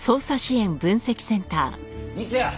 三ツ矢！